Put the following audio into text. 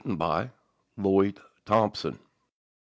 Lloyd Thompson.